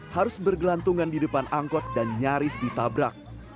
harus bergelantungan di depan angkot dan nyaris ditabrak